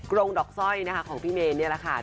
กรงดอกซ่อยอาทิวพี่เมย์เนี่ยนะค่ะ